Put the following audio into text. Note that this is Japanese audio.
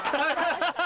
ハハハ！